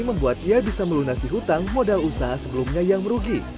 membuat ia bisa melunasi hutang modal usaha sebelumnya yang merugi